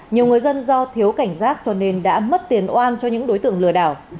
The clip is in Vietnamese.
nhiều người dân do thiếu cảnh giác cho nên đã mất tiền oan cho những đối tượng lừa đảo